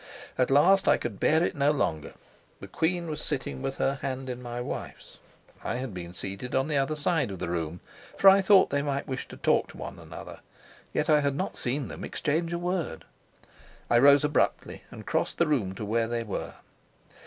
At last I could bear it no longer. The queen was sitting with her hand in my wife's; I had been seated on the other side of the room, for I thought that they might wish to talk to one another; yet I had not seen them exchange a word. I rose abruptly and crossed the room to where they were.